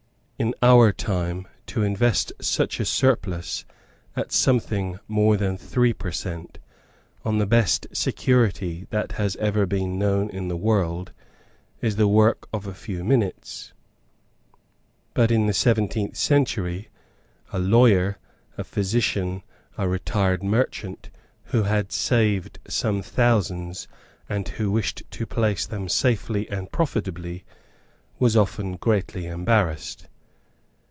In our time, to invest such a surplus, at something more than three per cent., on the best security that has ever been known in the world, is the work of a few minutes. But in the seventeenth century a lawyer, a physician, a retired merchant, who had saved some thousands and who wished to place them safely and profitably, was often greatly embarrassed.